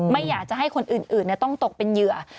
ไม่อยากจะให้คนอื่นต้องตกเป็นเหยื่อ